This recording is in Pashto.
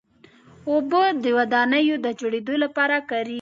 اوبه د ودانیو د جوړېدو لپاره کارېږي.